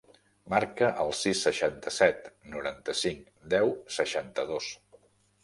Marca el sis, seixanta-set, noranta-cinc, deu, seixanta-dos.